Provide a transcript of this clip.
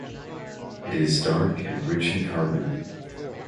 It is dark and rich in carbon.